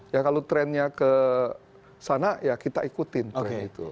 ya kalau trennya ke sana ya kita ikutin tren itu